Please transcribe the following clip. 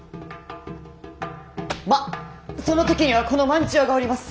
まっその時にはこの万千代がおります。